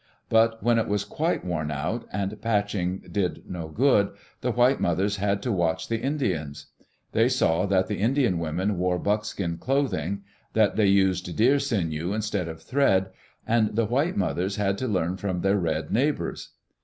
But when it was quite worn out, and patching did no good, the white mothers had to watch the Indians. They saw that the Indian women wore buckskin clothing; that they used deer sinew instead of thread. And the white mothers had to learn from their red neighbors.